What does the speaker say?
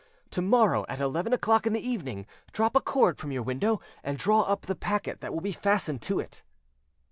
"To morrow, at eleven o'clock in the evening, drop a cord from your window, and draw up the packet that will be fastened to it."